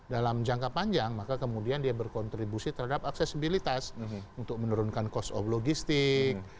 dalam jangka panjang maka kemudian dia berkontribusi terhadap aksesibilitas untuk menurunkan cost of logistik